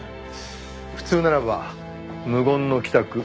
普通ならば無言の帰宅。